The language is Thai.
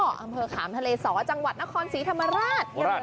อำเภอขามทะเลสอจังหวัดนครศรีธรรมราช